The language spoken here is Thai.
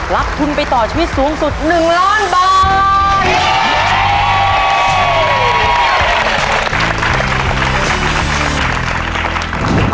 รับทุนไปต่อชีวิตสูงสุด๑ล้านบาท